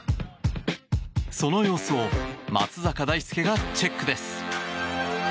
その様子を松坂大輔がチェックです。